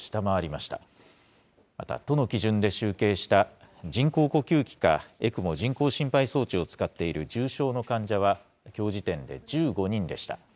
また都の基準で集計した人工呼吸器かＥＣＭＯ・人工心肺装置を使っている重症の患者は、きょう時点で１５人でした。